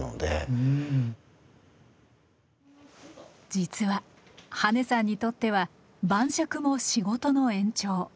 実は羽根さんにとっては晩酌も仕事の延長。